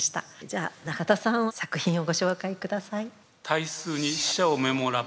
じゃあ永田さん作品をご紹介下さい。